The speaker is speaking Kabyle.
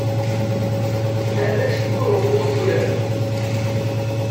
Arrac ur rewwun turart.